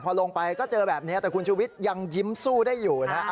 พอลงไปก็เจอแบบนี้แต่คุณชุวิตยังยิ้มสู้ได้อยู่นะ